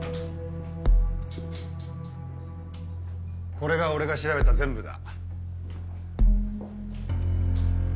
これが俺が調べた全部だ。